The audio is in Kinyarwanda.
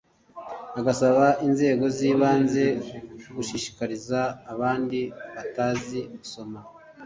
Agasaba inzego zibanze gushishikariza abandi batazi gusoma